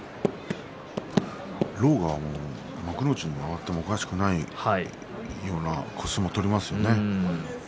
狼雅はもう幕内に上がってもおかしくないような相撲を取りますよね。